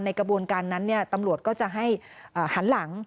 กระบวนการนั้นตำรวจก็จะให้หันหลัง